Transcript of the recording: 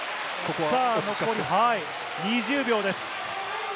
残り２０秒です。